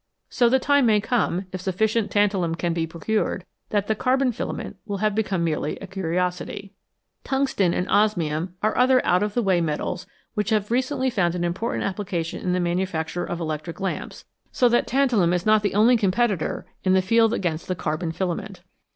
So the time may come, if sufficient tantalum can be procured, when the carbon filament will have become merely a curiosity. Tungsten and osmium are other out of the way metals which have recently found an important application in the manufacture of electric lamps, so that tantalum is not the only competitor in the field against the carbon filament.